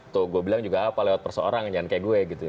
tuh gue bilang juga apa lewat perseorang jangan kayak gue gitu ya